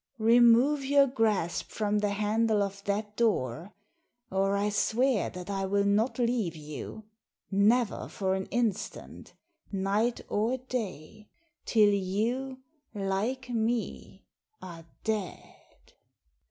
" Remove your grasp from the handle of that door, or I swear that I will not leave you, never for an instant, night or day, till you, like me, are dead."